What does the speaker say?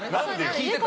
聞いてた？